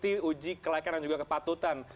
sudah mengikuti uji kelaikan dan juga kepatutan